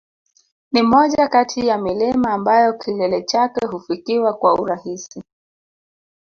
Ni moja kati ya milima ambayo kilele chake hufikiwa kwa urahisi